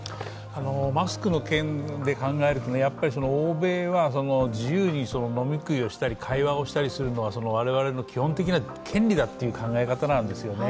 マスクの件で考えると、欧米は自由に飲み食いをしたり、会話をしたりするのは我々の基本的な権利だという考え方なんですよね。